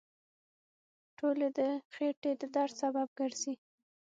ټولې د خېټې د درد سبب ګرځي.